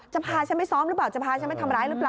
พาฉันไปซ้อมหรือเปล่าจะพาฉันไปทำร้ายหรือเปล่า